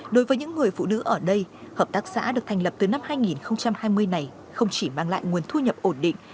đối với những người phụ nữ ở đây hợp tác xã được thành lập từ năm hai nghìn hai mươi này không chỉ mang lại nguồn thu nhập ổn định